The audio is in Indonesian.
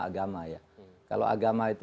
agama ya kalau agama itu